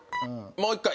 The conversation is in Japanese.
もう１回。